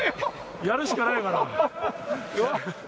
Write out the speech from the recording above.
やるしかないから。